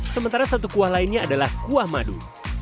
sementara satu kuah lainnya adalah kuah madu